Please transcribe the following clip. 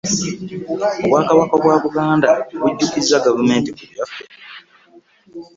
Obwakabaka bwa Buganda bujjukizza gavumenti ku byaffe.